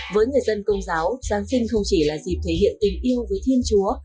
với người dân công giáo giáng sinh không chỉ là dịp thể hiện tình yêu với thiên chúa